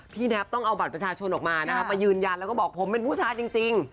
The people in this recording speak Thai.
แน็บต้องเอาบัตรประชาชนออกมานะคะมายืนยันแล้วก็บอกผมเป็นผู้ชายจริง